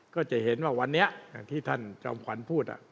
ก็จะเห็นว่าวันนี้ที่ท่านจำขวัญพูดอ่ะ